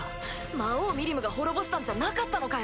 魔王ミリムが滅ぼしたんじゃなかったのかよ？